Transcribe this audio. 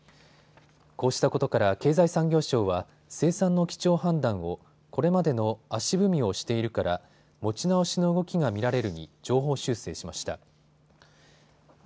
こうしたことから経済産業省は生産の基調判断をこれまでの足踏みをしているから持ち直しの動きが見られるに上方修正しました。